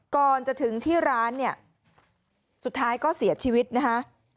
ก่อนจะถึงที่ร้านเนี่ยสุดท้ายก็เสียชีวิตนะคะ